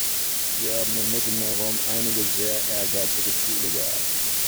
Wir haben im Mittelmeerraum einige sehr ehrgeizige Ziele gehabt.